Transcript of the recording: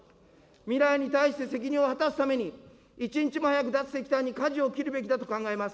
未来に対して責任を果たすために、一日も早く脱石炭にかじを切るべきだと考えます。